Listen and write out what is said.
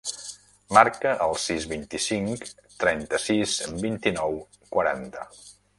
Marca el sis, vint-i-cinc, trenta-sis, vint-i-nou, quaranta.